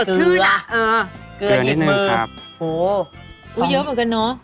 สดชื่อน่ะเออเกลือนิดนึงครับโหอุ๊ยเยอะเหมือนกันเนอะ